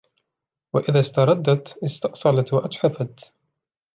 وَإِذَا اسْتَرَدَّتْ اسْتَأْصَلَتْ وَأَجْحَفَتْ